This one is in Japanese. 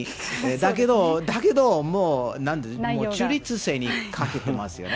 だけど、だけども、中立性に欠けてますよね。